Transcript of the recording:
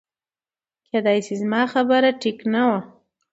کېدی شي زما خبره ټیک نه وه